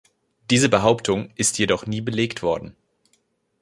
Diese Behauptung ist jedoch nie belegt worden.